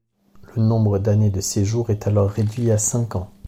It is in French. Le nombre d'années de séjour est alors réduit à cinq ans.